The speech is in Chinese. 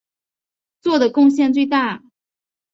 做的贡献最大。